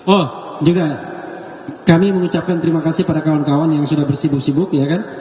oh juga kami mengucapkan terima kasih pada kawan kawan yang sudah bersibuk sibuk ya kan